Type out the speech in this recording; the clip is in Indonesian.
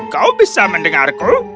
kau bisa mendengarku